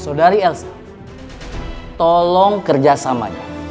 sodari elsa tolong kerja sama